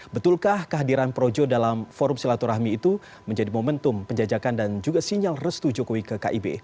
betulkah kehadiran projo dalam forum silaturahmi itu menjadi momentum penjajakan dan juga sinyal restu jokowi ke kib